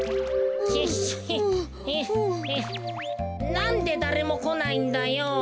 なんでだれもこないんだよ。